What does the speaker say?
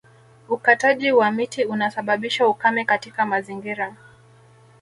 Ukataji wa miti unasababisha ukame katika mazingira